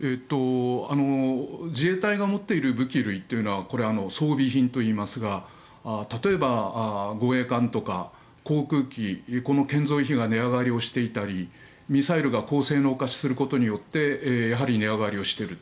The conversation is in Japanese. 自衛隊が持っている武器類というのはこれは装備品といいますが例えば護衛艦とか航空機この建造費が値上がりをしていたりミサイルが高性能化することによってやはり値上がりをしている。